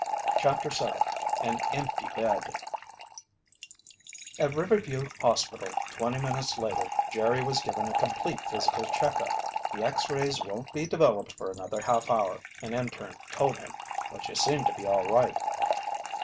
CHAPTER 7 AN EMPTY BED At Riverview hospital twenty minutes later, Jerry was given a complete physical check up. "The X rays won't be developed for another half hour," an interne told him, "but you seem to be all right."